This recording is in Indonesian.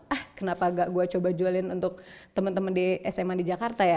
ah kenapa gak gue coba jualin untuk teman teman di sma di jakarta ya